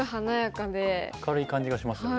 明るい感じがしますよね。